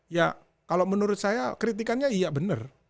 ya kalau menurut saya kritikannya iya benar